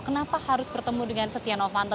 kenapa harus bertemu dengan setia novanto